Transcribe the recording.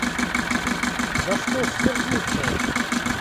Да что ж сердиться!